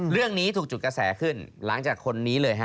เรื่องนี้ถูกจุดกระแสขึ้นหลังจากคนนี้เลยฮะ